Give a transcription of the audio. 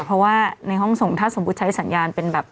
เพราะว่าในห้องส่งถ้าสมมุติใช้สัญญาณเป็นแบบ